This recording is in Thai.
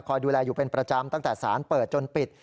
ดูแลอยู่เป็นประจำตั้งแต่สารเปิดจนปิด